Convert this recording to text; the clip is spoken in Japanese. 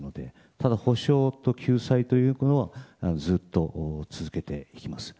ただ、補償と救済ということはずっと続けていきます。